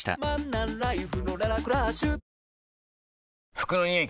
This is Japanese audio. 服のニオイ